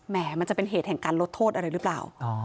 แหมมันจะเป็นเหตุการณ์ลดโทษอะไรรึเปล่า